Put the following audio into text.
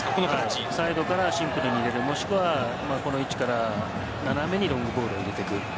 サイドからシンプルに入れるもしくはこの位置から斜めにロングボールを入れていく。